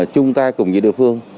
chung tay cùng với địa phương